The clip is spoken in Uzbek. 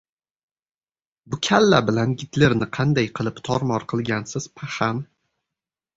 — Bu kalla bilan Gitlerni qanday qilib tor-mor qilgansiz, paxan?